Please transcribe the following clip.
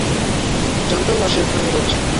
জানতাম না সে এখানেই রয়েছে।